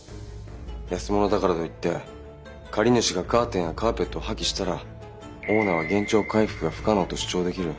安物だからといって借り主がカーテンやカーペットを破棄したらオーナーは原状回復が不可能と主張できる。